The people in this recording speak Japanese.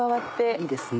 いいですね